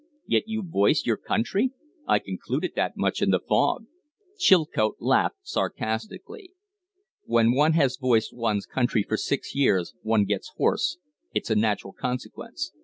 Yet you voice your country? I concluded that much in the fog." Chilcote laughed sarcastically. "When one has voiced one's country for six years one gets hoarse it's a natural consequence."